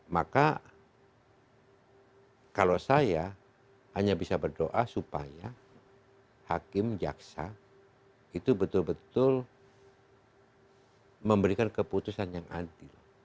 maka kalau saya hanya bisa berdoa supaya hakim jaksa itu betul betul memberikan keputusan yang adil